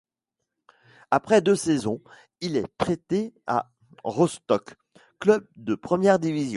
Après deux saisons, il est prêté à Rostock, club de première division.